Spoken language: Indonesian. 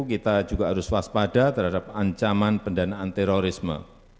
kita juga harus waspada terhadap ancaman pendanaan terorisme